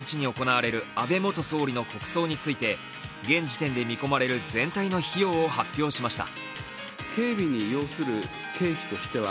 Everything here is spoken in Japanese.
昨日政府は今月２７日に行われる安倍元総理の国葬について現時点で見込まれる全体の費用を発表しました。